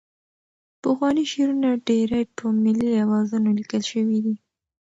پخواني شعرونه ډېری په ملي اوزانو لیکل شوي دي.